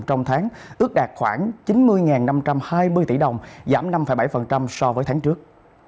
trong tháng ước đạt khoảng chín mươi năm trăm hai mươi tỷ đồng giảm năm bảy so với tháng trước